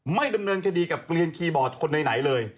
ไม่ดำเนินคดีกับเกลียนคีย์บอร์ดคนไหนเลย